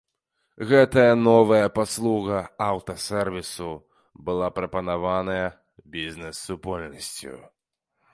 Гэтая новая паслуга аўтасервісу была прапанаваная бізнэс-супольнасцю.